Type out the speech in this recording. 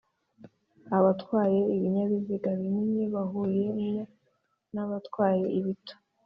Abatwaye ibinyabiziga binini bahuye n’abatwaye ibito